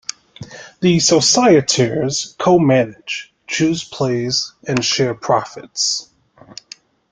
The societaires co-manage, choose plays, and share profits.